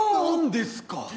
何ですか？